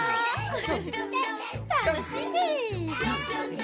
たのしいね！